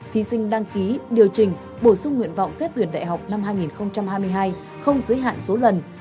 thí sinh đăng ký điều trình bổ sung nguyện vọng xét tuyển đại học năm hai nghìn hai mươi hai không giới hạn số lần